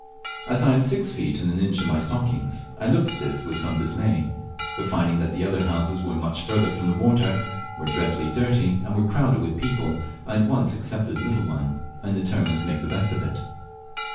As I am six feet and an inch in my stockings, I looked at this with some dismay; but finding that the other houses were much further from water, were dreadfully dirty, and were crowded with people, I at once accepted the little one, and determined to make the best of it.